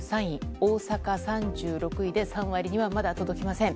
大阪３６位で３割には、まだ届きません。